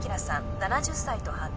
７０歳と判明